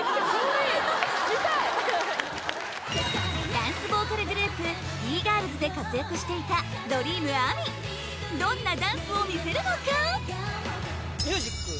ダンスボーカルグループＥ−ｇｉｒｌｓで活躍していたＤｒｅａｍＡｍｉどんなダンスを見せるのか？